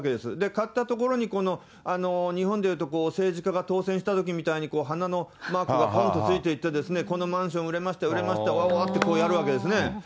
買ったところに日本でいうと政治家が当選したときみたいに花のマークがぽんとついていて、このマンション売れました、売れました、わわわって、こうやるわけですね。